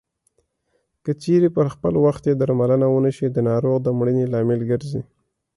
که چېرې پر خپل وخت یې درملنه ونشي د ناروغ د مړینې لامل ګرځي.